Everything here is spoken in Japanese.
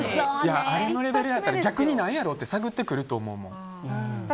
あれのレベルやったら逆に何やろって探ってくると思う。